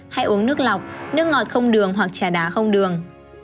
hay uống nước lọc nước ngọt không đường hoặc trà đá không đường